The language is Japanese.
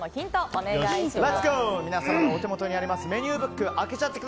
お願いします。